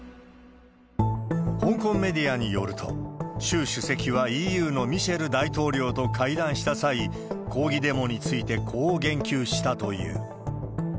香港メディアによると、習主席はＥＵのミシェル大統領と会談した際、抗議デモについてこう言及したという。